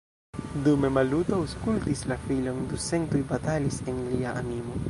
Dume Maluto aŭskultis la filon, du sentoj batalis en lia animo.